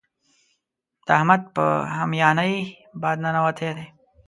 د احمد په هميانۍ باد ننوتی دی.